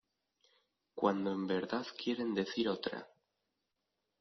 cuando en verdad quieren decir otra.